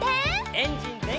エンジンぜんかい！